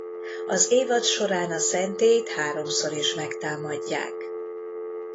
Az évad során a szentélyt háromszor is megtámadják.